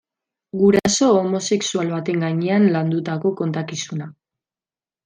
Guraso homosexual baten gainean landutako kontakizuna.